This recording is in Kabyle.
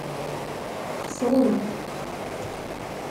Xeṣṛen.